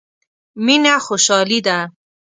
مينه خوشالي ده.